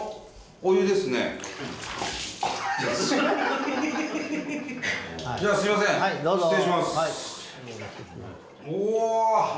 おお！